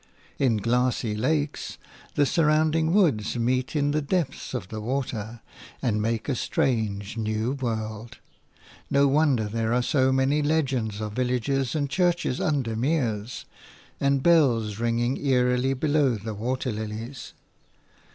In glassy lakes the surrounding woods meet in the depths of the water, and make a strange, new world. No wonder there are so many legends of villages and churches under meres, and bells ringing eerily below the water lilies.